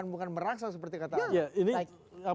bukan merangsang seperti kata anda